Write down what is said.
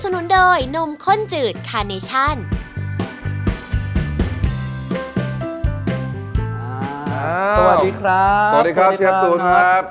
สวัสดีครับเชฟตูนครับ